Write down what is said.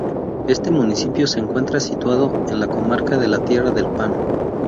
Este municipio se encuentra situado en la comarca de la Tierra del Pan.